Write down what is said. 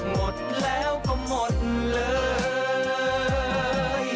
หมดแล้วก็หมดเลย